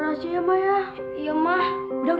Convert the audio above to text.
udah pulang ya ampun